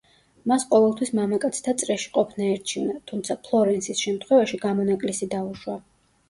მას ყოველთვის მამაკაცთა წრეში ყოფნა ერჩივნა, თუმცა, ფლორენსის შემთხვევაში გამონაკლისი დაუშვა.